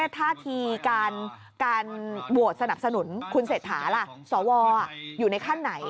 ท่าทีการโหวตสนับสนุนคุณเศรษฐาล่ะสวอยู่ในขั้นไหน